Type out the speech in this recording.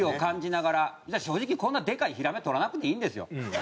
正直こんなでかいヒラメとらなくていいんですよ。